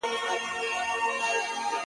کفن کښ ظالم کړې ورک له دغه ځایه؛